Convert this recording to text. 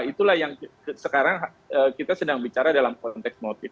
itulah yang sekarang kita sedang bicara dalam konteks motif